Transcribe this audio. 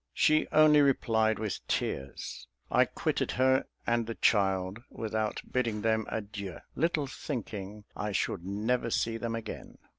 She only replied with tears. I quitted her and the child without bidding them adieu, little thinking I should never see them again.